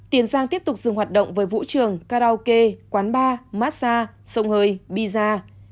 tiền giang tiếp tục dừng hoạt động với vũ trường karaoke quán bar massage sông hơi biza